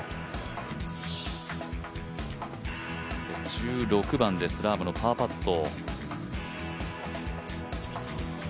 １６番です、ラームのパーパット。